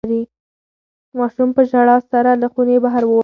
ماشوم په ژړا سره له خونې بهر ووت.